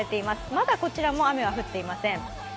まだこちらも雨は降っていません。